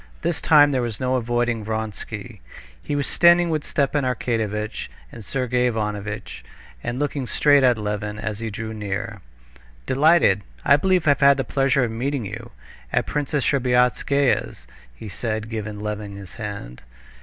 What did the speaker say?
This time there was no avoiding Vronsky. He was standing with Stepan Arkadyevitch and Sergey Ivanovitch, and looking straight at Levin as he drew near. "Delighted! I believe I've had the pleasure of meeting you ... at Princess Shtcherbatskaya's," he said, giving Levin his hand.